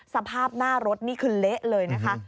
สภาพหน้ารถนี่คือเละเลยนะคะ